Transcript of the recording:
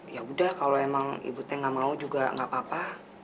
ya udah kalau emang ibu teh nggak mau juga nggak apa apa